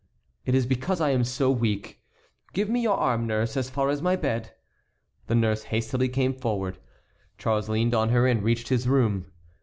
"It is because I am so weak. Give me your arm, nurse, as far as my bed." The nurse hastily came forward. Charles leaned on her and reached his room.